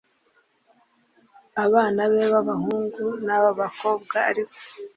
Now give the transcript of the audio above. abana be b abahungu n ab abakobwa ariko